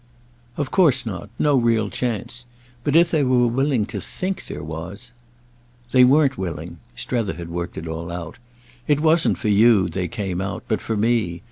"Of course not—no real chance. But if they were willing to think there was—!" "They weren't willing." Strether had worked it all out. "It wasn't for you they came out, but for me.